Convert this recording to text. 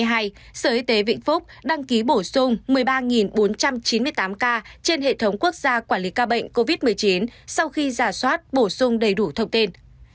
ngày một một bốn hai nghìn hai mươi hai sở y tế vịnh phúc đăng ký bổ sung một mươi ba bốn trăm chín mươi tám ca trên hệ thống quốc gia quản lý ca bệnh covid một mươi chín sau khi giả soát bổ sung đầy đủ thông tin